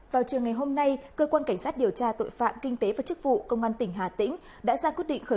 vào trường ngày hôm nay cơ quan cảnh sát điều tra tội phạm kinh tế và chức năng bác sử